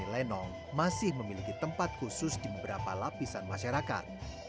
lenong masih memiliki tempat khusus di beberapa lapisan masyarakat